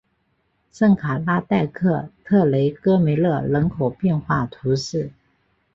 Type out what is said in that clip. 圣卡拉代克特雷戈梅勒人口变化图示